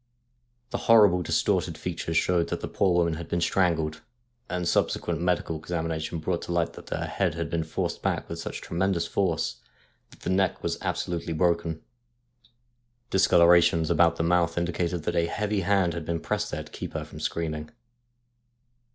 The horribly distorted features showed that the poor woman had been strangled, and sub sequent medical examination brought to light that her head had been forced back with such tremendous force that the neck was absolutely broken. Discolorations about the mouth indicated that a heavy hand had been pressed there to keep her from screaming.